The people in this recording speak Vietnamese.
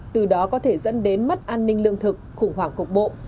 từ đó có thể dẫn đến mất an ninh lương thực khủng hoảng cục bộ